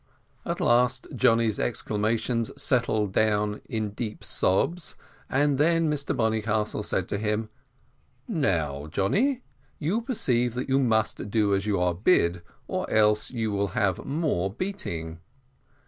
At last Johnny's exclamations settled down in deep sobs, and then Mr Bonnycastle said to him, "Now, Johnny, you perceive that you must do as you are bid, or else you will have more beating.